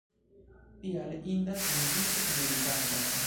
Tial indas inviti vizitantojn.